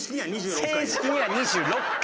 正式には２６回。